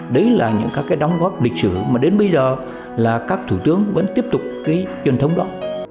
đấy là những các cái đóng góp lịch sử mà đến bây giờ là các thủ tướng vẫn tiếp tục cái truyền thống đó